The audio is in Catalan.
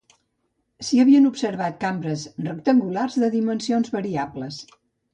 S'hi havien observat cambres rectangulars de dimensions variables.